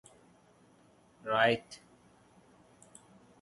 I just get physically involved.